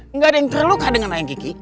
enggak ada yang terluka dengan ayang kiki